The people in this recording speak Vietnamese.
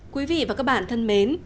quý vị và các bạn thân mến